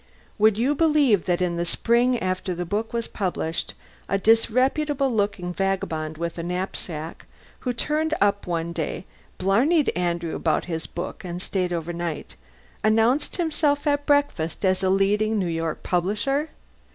Would you believe that, in the spring after the book was published, a disreputable looking vagabond with a knapsack, who turned up one day, blarneyed Andrew about his book and stayed overnight, announced himself at breakfast as a leading New York publisher?